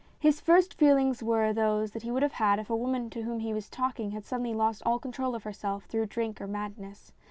His first feelings were those that he would have had if a woman to whom he was talking had suddenly lost all control of herself through drink or madness.